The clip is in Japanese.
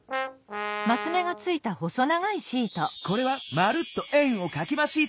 これは「まるっと円をかきまシート」！